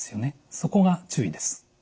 そこが注意です。